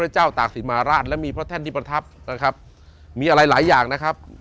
ชาษินมราชและมีพเธอร์ท่านที่ประทับนะครับมีอะไรหลายอย่างนะครับ